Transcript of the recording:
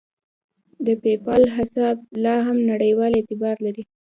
د پیپال حساب لاهم نړیوال اعتبار لري.